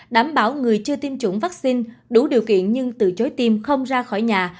đảm bảo người chưa tiêm chủng vaccine đủ điều kiện nhưng từ chối tim không ra khỏi nhà